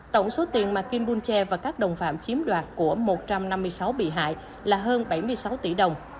tổng số tiền mà kim bon che và các đồng phạm chiếm đoạt của một trăm năm mươi sáu bị hại là hơn bảy mươi sáu tỷ đồng